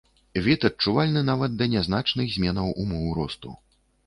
Від, адчувальны нават да нязначных зменаў умоў росту.